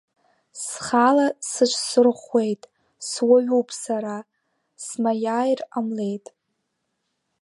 Схала сыҽсырӷәӷәеит, суаҩуп сара, смаиааир ҟамлеит.